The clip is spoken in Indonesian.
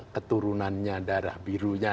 keturunannya darah birunya